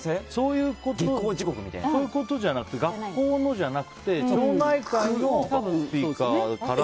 そういうことじゃなくて学校のじゃなくて町内会のスピーカーから。